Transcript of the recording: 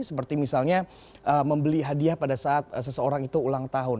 seperti misalnya membeli hadiah pada saat seseorang itu ulang tahun